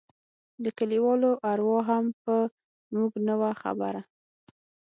د كليوالو اروا هم په موږ نه وه خبره.